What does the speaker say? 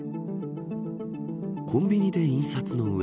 コンビニで印刷の上